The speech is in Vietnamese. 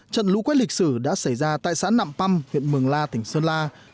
trận lũ quét lịch sử đã xảy ra tại xã nạm păm huyện mường la tỉnh sơn la